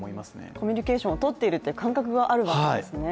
コミュニケーションを取っているという感覚があるわけですね。